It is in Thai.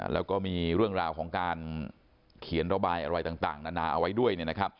แล้วก็มีเรื่องราวของการเขียนระบายอะไรต่างนานาเอาไว้ด้วย